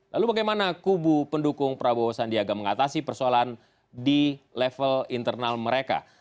lalu bagaimana kubu pendukung prabowo sandiaga mengatasi persoalan di level internal mereka